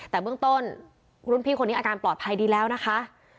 แต่เบื้องต้นรุ่นพี่คนนี้อาการปลอดภัยดีแล้วนะคะ